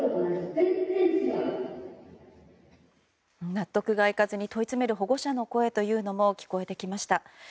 納得がいかずに問い詰める保護者の声というのも聞こえてきました。